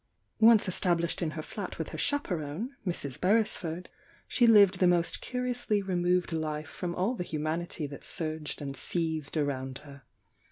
Once established in her flat with her chaperone, Mrs. Beresford, she lived the most curiously re moved life from all the humanity that surged and seethed around her.